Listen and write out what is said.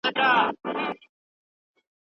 لارنس ونیول شو.